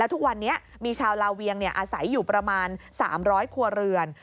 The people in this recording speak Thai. ทุกวันนี้มีชาวลาเวียงอาศัยอยู่ประมาณ๓๐๐ครัวเรือน